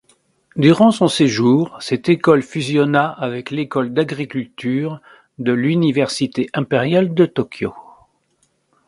Durant son séjour, cette école fusionna avec l'école d'agriculture de l'université impériale de Tokyo.